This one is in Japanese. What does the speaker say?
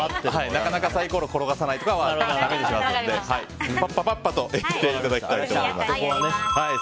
なかなかサイコロを転がさないとかはだめにしますのでぱっぱとやっていただきたいと思います。